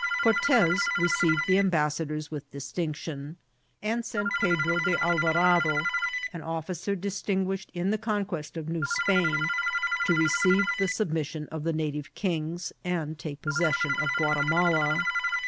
Cortez received the ambassadors with distinction, and sent Pedro de Alvarado, an offi cer distinguished in the conquest of New Spain, to re ceive the submission of the native kings, and take pos session of Guatimala.